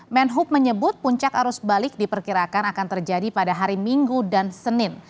menhub menyebut puncak arus balik diperkirakan akan terjadi pada hari minggu dan senin